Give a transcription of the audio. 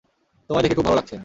তোমায় দেখে খুব ভালো লাগছে।